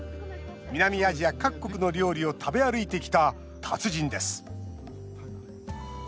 南アジア各国の料理を食べ歩いてきた達人です。